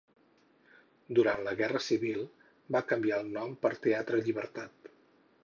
Durant la Guerra Civil va canviar el nom per Teatre Llibertat.